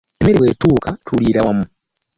Emmere bwe tuuka tulira wamu.